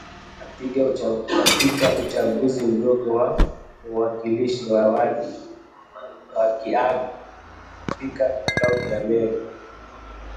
katika uchaguzi mdogo wa muwakilishi wa wadi ya Kiagu katika kaunti ya Meru